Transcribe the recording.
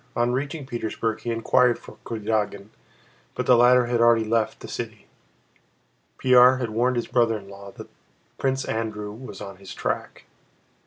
On reaching Petersburg he inquired for Kurágin but the latter had already left the city. Pierre had warned his brother in law that Prince Andrew was on his track.